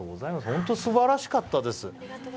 本当にすばらしかったです。